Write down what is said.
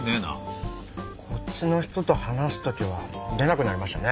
こっちの人と話す時は出なくなりましたね。